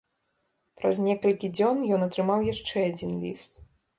Праз некалькі дзён ён атрымаў яшчэ адзін ліст.